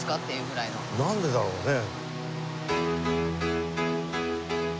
なんでだろうね？